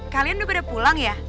kalian udah pada pulang ya